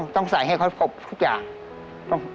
ต้องใส่ให้เขาครบทุกอย่าง